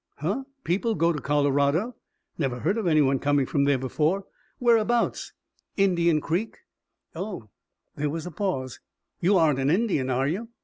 "Huh! People go to Colorado. Never heard of any one coming from there before. Whereabouts?" "Indian Creek." "Oh." There was a pause. "You aren't an Indian, are you?"